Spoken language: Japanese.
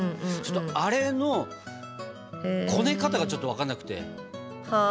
あれのこね方がちょっと分かんなくて。